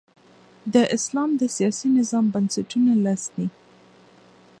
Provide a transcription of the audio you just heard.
د اسلام د سیاسي نظام بنسټونه لس دي.